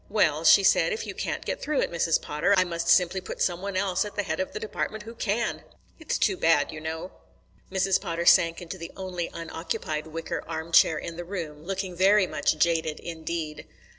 'Well,' she said, 'if you can't get through it, Mrs. Potter, I must simply put some one else at the head of the department who can.' It's too bad, you know." Mrs. Potter sank into the only unoccupied wicker arm chair in the room, looking very much jaded indeed.